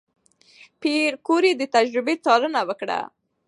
پېیر کوري د تجربې څارنه وکړه.